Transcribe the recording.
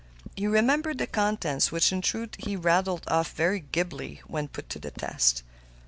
He remembered the contents, which in truth he rattled off very glibly when put to the test.